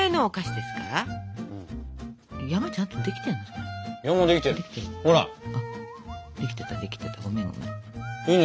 できてたできてたごめんごめん。